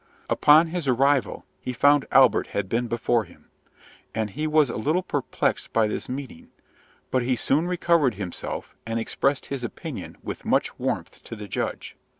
Upon his arrival, he found Albert had been before him: and he was a little perplexed by this meeting; but he soon recovered himself, and expressed his opinion with much warmth to the judge.